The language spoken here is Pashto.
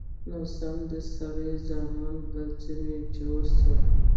نو سم د سړي زامن به ځنې جوړ سو.